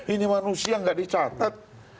ini manusia nggak dicatat